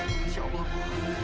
insya allah bu